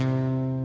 uh uh uh